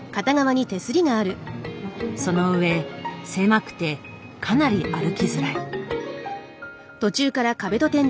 そのうえ狭くてかなり歩きづらい。